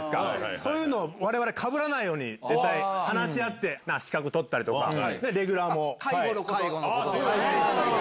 そういうの、われわれかぶらないように話し合って、資格取ったりとか、レギュラーも介護のこと。